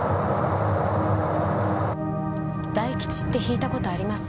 大吉って引いた事あります？